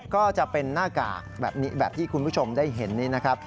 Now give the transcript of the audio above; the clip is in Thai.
ก็จะเป็นหน้ากากแบบนี้แบบที่คุณผู้ชมได้เห็นนี้นะครับ